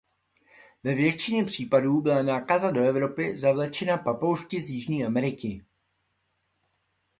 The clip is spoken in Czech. Ve většině případů byla nákaza do Evropy zavlečena papoušky z Jižní Ameriky.